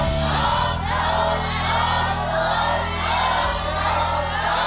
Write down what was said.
ถูก